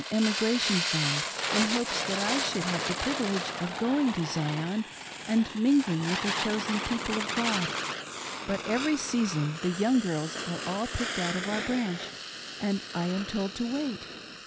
emigration fund, in hopes that I should have the privilege of going to Zion and mingling with the chosen people of God, THEN AND NOW. 24I but every season the young girls are all picked out of our branch, and I am told to wait.